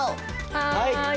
はい！